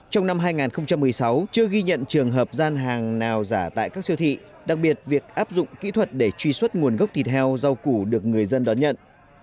trong năm hai nghìn một mươi sáu chưa ghi nhận trường hợp gian hàng nào giả tại các siêu thị đặc biệt việc áp dụng kỹ thuật để truy xuất nguồn gốc thịt heo rau củ được người dân đón nhận